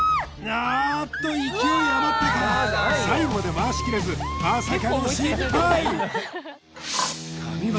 あっと勢いあまってか最後まで回しきれずまさかの失敗神業